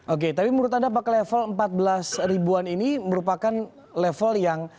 oke tapi menurut anda apakah level empat belas ribuan ini merupakan level yang